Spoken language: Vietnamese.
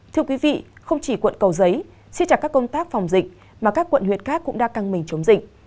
thưa quý vị không chỉ quận cầu giấy xích chặt các công tác phòng dịch mà các quận huyện khác cũng đã căng mình chống dịch